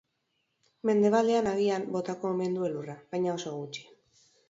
Mendebaldean agian botako omen du elurra, baina oso gutxi.